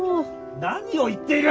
何を言っている！？